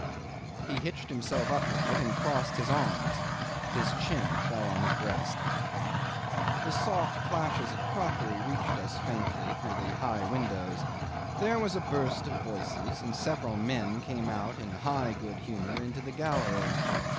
He hitched himself upright and crossed his arms; his chin fell on his breast. 'The soft clashes of crockery reached us faintly through the high windows. There was a burst of voices, and several men came out in high good humour into the gallery.